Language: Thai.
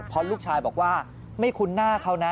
เพราะลูกชายบอกว่าไม่คุ้นหน้าเขานะ